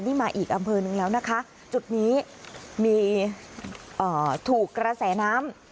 นี่มาอีกอำเภอนึงแล้วนะคะจุดนี้มีถูกกระแสน้ำ